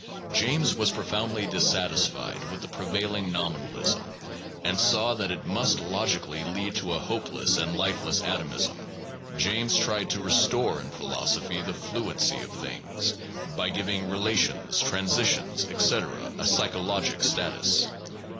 James was profoundly dissatisfied with the prevailing nominalism, and saw that it must logically lead to a hopeless and lifeless atomism. James tried to re store in philosophy the fluency of things, by giving relations, transi tions, etc., a psychologic status.